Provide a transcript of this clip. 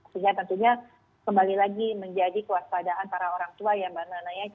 sehingga tentunya kembali lagi menjadi kewaspadaan para orang tua ya mbak nana ya